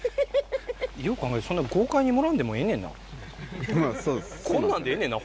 よく考えたらそんなに豪快に盛らんでもええねんな。